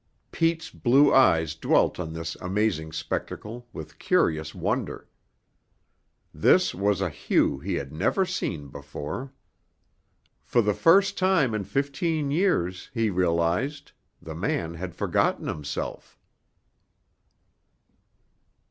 Pete's blue eyes dwelt on this amazing spectacle with curious wonder. This was a Hugh he had never seen before. For the first time in fifteen years, he realized, the man had forgotten himself.